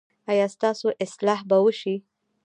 ایا ستاسو اصلاح به وشي؟